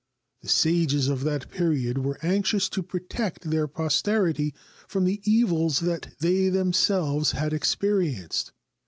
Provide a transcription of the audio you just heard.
The sages of that period were anxious to protect their posterity from the evils that they themselves had experienced.